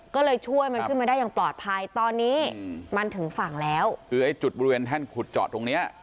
ก็เลยช่วยมันขึ้นมาได้อย่างปลอดภัยตอนนี้มันถึงฝั่งแล้วคือไอ้จุดบริเวณแท่นขุดเจาะตรงเนี้ย